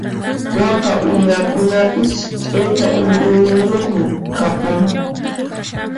Waka uñakunapis q'icha unquyniyuqmi kapunku.